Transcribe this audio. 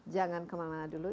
jangan kemana mana dulu